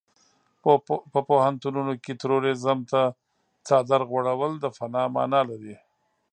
په پوهنتونونو کې تروريزم ته څادر غوړول د فناه مانا لري.